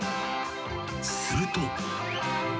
［すると］